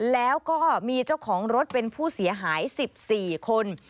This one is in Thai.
แล้วก็มีเจ้าของรถเป็นผู้เสียหาย๑๔คน